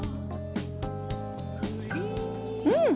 うん！